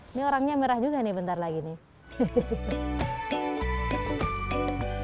ini orangnya merah juga nih bentar lagi nih